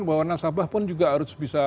bahwa nasabah pun juga harus bisa